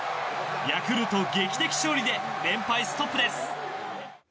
ヤクルト、劇的勝利で連敗ストップです。